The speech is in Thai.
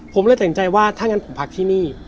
ผมเลยตัดสินใจว่าถ้างั้นผมพักที่นี่